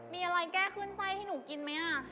มีอะไรแก้ขึ้นไส้ให้หนูกินไหม